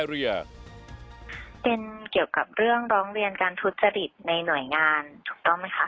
เป็นเกี่ยวกับเรื่องร้องเรียนการทุจริตในหน่วยงานถูกต้องไหมคะ